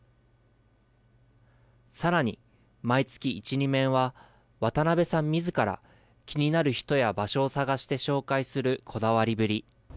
さらに、毎月１、２面は、渡辺さんみずから、気になる人や場所を探して紹介するこだわりぶり。